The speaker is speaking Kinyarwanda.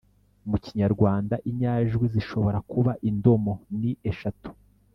mu kinyarwanda, inyajwi zishobora kuba indomo ni eshatu